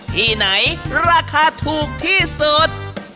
ที่ไหนราคาถูกที่สุด